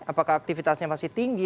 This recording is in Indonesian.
apakah aktivitasnya masih tinggi